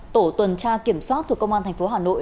tổ tuần tra kiểm soát thuộc công an tp hà nội